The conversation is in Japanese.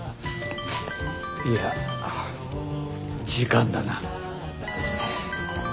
いや時間だな。ですね。